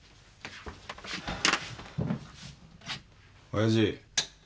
親父。